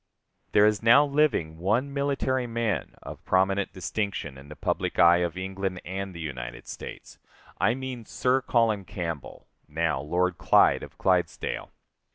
There is now living one military man of prominent distinction in the public eye of England and the United States I mean Sir Colin Campbell, now Lord Clyde of Clydesdale.